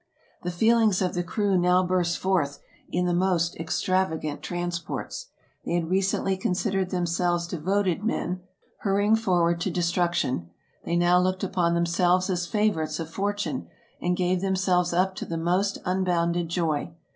The feelings of the crew now burst forth in the most ex travagant transports. They had recently considered them THE EARLY EXPLORERS 21 selves devoted men, hurrying forward to destruction ; they now looked upon themselves as favorites of fortune, and gave themselves up to the most unbounded joy.